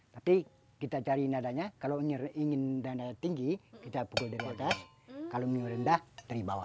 tapi kita cari nadanya kalau ingin nada tinggi kita pukul dari atas kalau ingin rendah dari bawah